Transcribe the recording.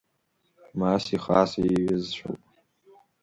Маси Хаси еиҩызцәоуп.